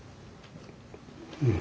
うん。